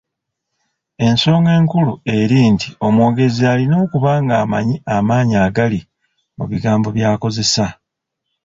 Ensonga enkulu eri nti omwogezi alina okuba ng’amanyi amaanyi agali mu bigambo by’akozesa.